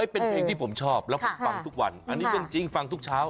เป็นเพลงที่ผมชอบแล้วผมฟังทุกวันอันนี้เรื่องจริงฟังทุกเช้า